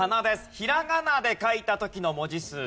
ひらがなで書いた時の文字数です。